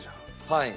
はい。